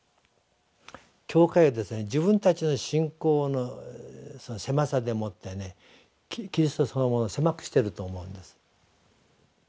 教会は自分たちの信仰の狭さでもってキリストそのものを狭くしてると思うんです。